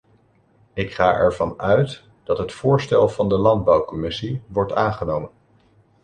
Ik ga ervan uit dat het voorstel van de landbouwcommissie wordt aangenomen.